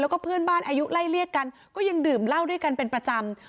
แล้วก็เพื่อนบ้านอายุไล่เรียกกันก็ยังดื่มเหล้าด้วยกันเป็นประจำ